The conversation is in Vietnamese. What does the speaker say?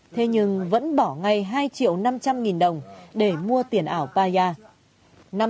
thế nhưng vẫn bỏ ngay hai triệu năm trăm linh nghìn đồng để mua tiền ảo paya